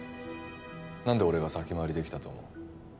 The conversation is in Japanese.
何で俺が先回りできたと思う？